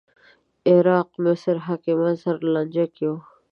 عراق مصر حاکمانو سره لانجه کې و